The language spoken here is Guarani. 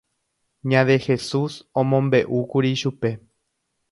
Ña Dejesús omombeʼúkuri chupe.